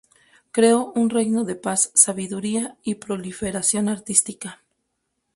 Creó un reino de paz, sabiduría y proliferación artística.